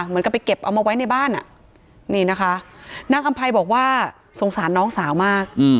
เหมือนกับไปเก็บเอามาไว้ในบ้านอ่ะนี่นะคะนางอำภัยบอกว่าสงสารน้องสาวมาก